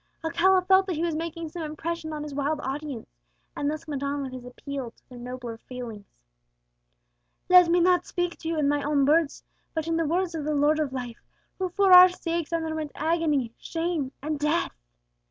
Alcala felt that he was making some impression on his wild audience, and thus went on with his appeal to their nobler feelings: "Let me not speak to you in my own words, but in the words of the Lord of Life, who for our sakes underwent agony, shame, and death!